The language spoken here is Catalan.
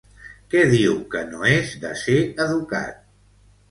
Què diu que no és de ser educat?